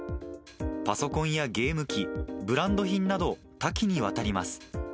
パソコンやゲーム機、ブランド品など、多岐にわたります。